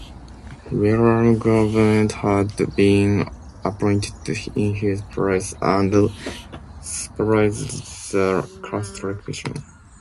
William Gompert had been appointed in his place and supervised the construction.